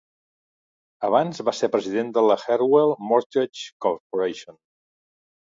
Abans va se president de la Heartwell Mortgage Corporation.